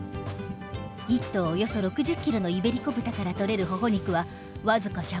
１頭およそ６０キロのイベリコ豚から取れるほほ肉はわずか１４０グラム。